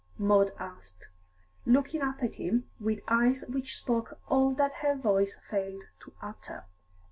Maud asked, looking up at him with eyes which spoke all that her voice failed to utter.